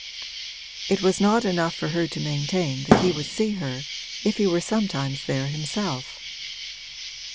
It was not enough for her to maintain that he would see her if he were sometimes there himself.